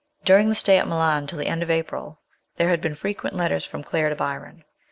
During the stay at Milan till the end of April there had been frequent letters from Claire to Byron.